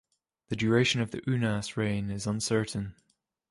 The duration of Unas' reign is uncertain.